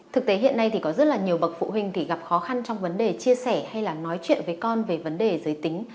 thực tế hiện nay có rất nhiều bậc phụ huynh gặp khó khăn trong vấn đề chia sẻ hay nói chuyện với con về vấn đề giới tính